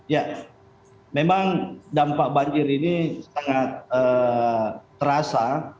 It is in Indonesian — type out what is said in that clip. ya memang dampak banjir ini sangat terasa